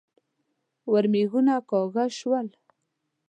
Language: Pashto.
ورمېږونه کاږه شول.